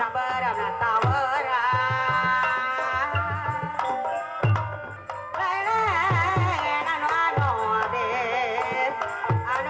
ibuk akhirnya akan muncul dalam remaja commencer tahun